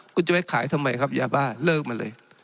คุณจะขายทำไมครับไงครับหยาบ้าเลิกมาเลย